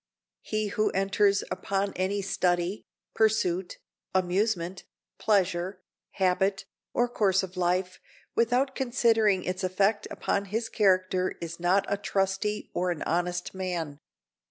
He who enters upon any study, pursuit, amusement, pleasure, habit, or course of life, without considering its effect upon his character is not a trusty or an honest man.